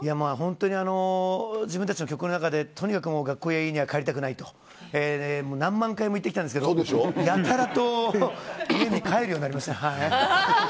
本当に自分たちの曲の中でとにかく学校家には帰りたくないって何万回も言ってきたんですけどやたらと家に帰るようになりました。